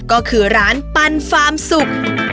ก็คือร้านปันฟาร์มสุก